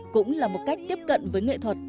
cũng là một cách tiếp cận với nghệ thuật